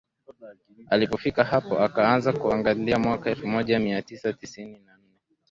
Alipofika hapo akaanza kuangalia mwaka elfu moja mia tisa tisini na nne